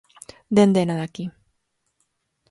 Den-dena daki.